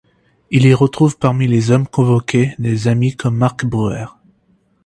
Il y retrouve parmi les hommes convoqués, des amis comme Marc Breuer.